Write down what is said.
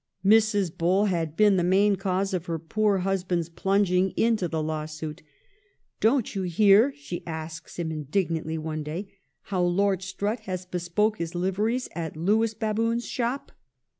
Mrs. Bull had been the main cause of her poor husband plunging into the lawsuit. ' Don't you hear,' she asks him in dignantly one day, 'how Lord Strutt has bespoke his liveries at Lewis Baboon's shop?